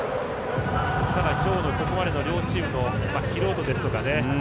今日の、ここまでの両チームの疲労度ですとかね。